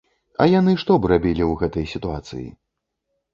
А яны што б рабілі ў гэтай сітуацыі?